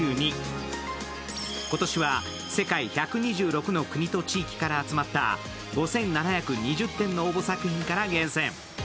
今年は世界１２６の国と地域から集まった５７２０点の応募作品から厳選。